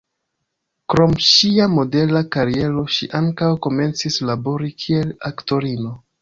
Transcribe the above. Krom ŝia modela kariero, ŝi ankaŭ komencis labori kiel aktorino.